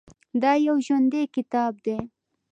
دا یو ژوندی کتاب دی.